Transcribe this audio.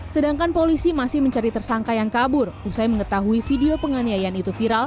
sedangkan polisi masih mencari tersangka yang kabur usai mengetahui video penganiayaan itu viral